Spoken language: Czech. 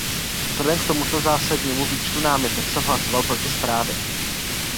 Vzhledem k tomuto zásadnímu výčtu námitek jsem hlasoval proti zprávě.